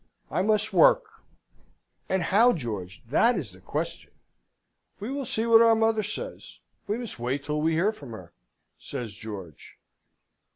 I must work; and how, George? that is the question." "We will see what our mother says. We must wait till we hear from her," says George.